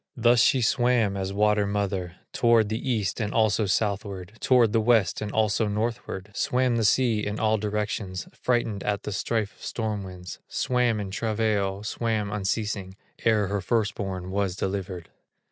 Thus she swam as water mother, Toward the east, and also southward, Toward the west, and also northward; Swam the sea in all directions, Frightened at the strife of storm winds, Swam in travail, swam unceasing, Ere her first born was delivered.